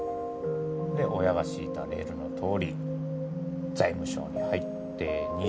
で親が敷いたレールのとおり財務省に入って２５年。